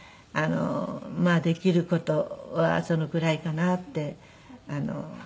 まあできる事はそのぐらいかなって。